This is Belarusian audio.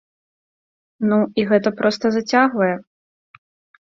Ну, і гэта проста зацягвае.